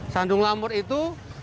sandung lamur itu